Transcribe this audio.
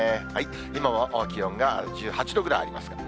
今も気温が１８度ぐらいありますから。